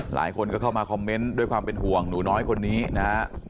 หลายคนก็เข้ามาคอมเมนต์ด้วยความเป็นห่วงหนูน้อยคนนี้นะฮะ